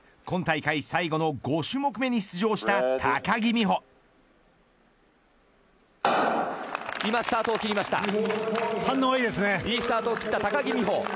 今大会最後の５種目目に出場した今スタートを切りました。